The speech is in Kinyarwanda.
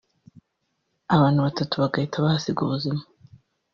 abantu batatu bagahita bahasiga ubuzima